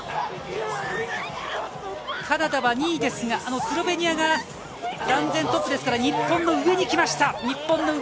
カナダは２位ですが、スロベニアが断然トップですから、日本の上にきました。